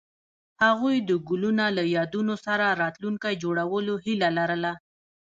هغوی د ګلونه له یادونو سره راتلونکی جوړولو هیله لرله.